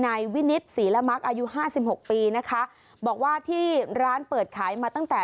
นายวินิตศรีละมักอายุห้าสิบหกปีนะคะบอกว่าที่ร้านเปิดขายมาตั้งแต่